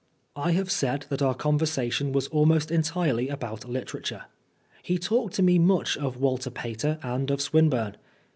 I have said that our conversation was almost entirely about literature. He talked to me much of Walter Pater and of Swin burne.